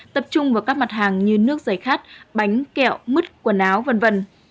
tập trung vào các mặt hàng như nước giây khát bánh kẹo mứt quần áo v v